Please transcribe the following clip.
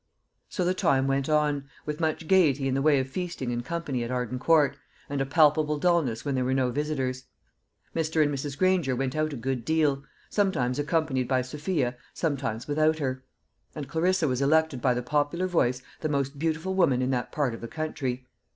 So the time went on, with much gaiety in the way of feasting and company at Arden Court, and a palpable dulness when there were no visitors. Mr. and Mrs. Granger went out a good deal, sometimes accompanied by Sophia, sometimes without her; and Clarissa was elected by the popular voice the most beautiful woman in that part of the country.